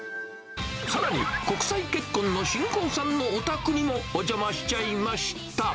さらに、国際結婚の新婚さんのお宅にもお邪魔しちゃいました。